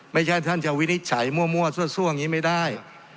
ไม่ใช่ท่านจะวินิจฉัยมั่วซั่วอย่างนี้ไม่ได้